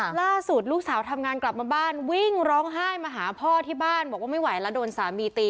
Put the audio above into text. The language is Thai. ล่าสุดลูกสาวทำงานกลับมาบ้านวิ่งร้องไห้มาหาพ่อที่บ้านบอกว่าไม่ไหวแล้วโดนสามีตี